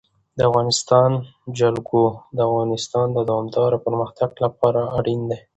د افغانستان جلکو د افغانستان د دوامداره پرمختګ لپاره اړین دي.